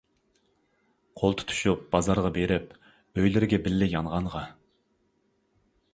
قول تۇتۇشۇپ بازارغا بېرىپ، ئۆيلىرىگە بىللە يانغانغا.